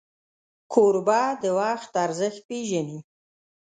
کوربه د وخت ارزښت پیژني.